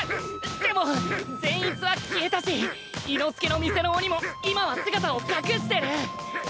でも善逸は消えたし伊之助の店の鬼も今は姿を隠してる。